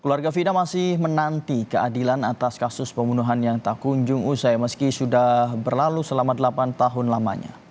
keluarga fina masih menanti keadilan atas kasus pembunuhan yang tak kunjung usai meski sudah berlalu selama delapan tahun lamanya